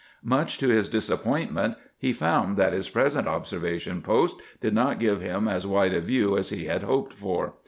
Much to his disappointment, he found that his present observation post did not give him as wide a view as he had hoped for.